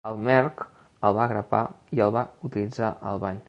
El MERC el va grapar i el va utilitzar al bany.